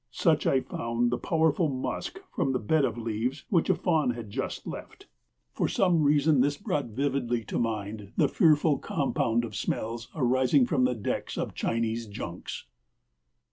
Such I found the powerful musk from the bed of leaves which a fawn had just left. For some reason this brought vividly to mind the fearful compound of smells arising from the decks of Chinese junks.